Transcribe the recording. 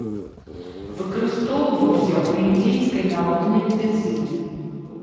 Выкарыстоўваўся ў індзейскай народнай медыцыне.